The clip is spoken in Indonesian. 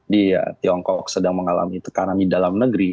di tiongkok sedang mengalami tekanan di dalam negeri